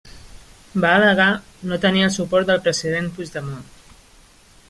Va al·legar no tenir el suport del president Puigdemont.